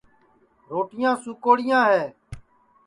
روٹِیاں سُوکوڑیاں ہے